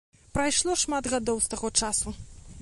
Прайшло шмат гадоў з таго часу.